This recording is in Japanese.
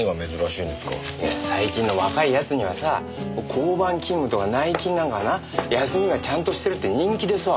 いや最近の若い奴にはさ交番勤務とか内勤なんかがな休みがちゃんとしてるって人気でさ。